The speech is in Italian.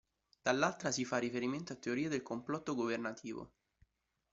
Dall'altra si fa riferimento a teorie del complotto governativo.